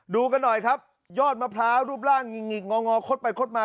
ดูกันหน่อยครับยอดมะพร้าวรูปร่างหิงหิกงองอคดไปคดมา